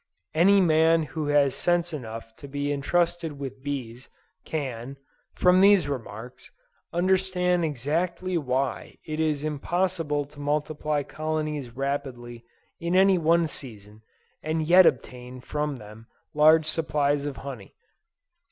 Any man who has sense enough to be entrusted with bees, can, from these remarks, understand exactly why it is impossible to multiply colonies rapidly in any one season, and yet obtain from them large supplies of honey.